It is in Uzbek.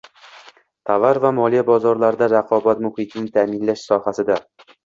tovar va moliya bozorlarida raqobat muhitini ta’minlash sohasida